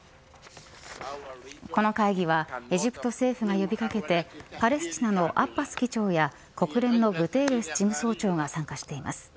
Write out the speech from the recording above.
この会議はエジプト政府が呼び掛けてパレスチナのアッバス議長や国連のグテーレス事務総長が参加しています。